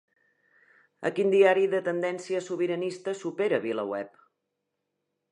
A quin diari de tendència sobiranista supera VilaWeb?